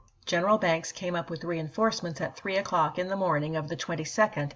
General Banks came up with reenforcements at three o'clock in the morning of the 22d and assumed command.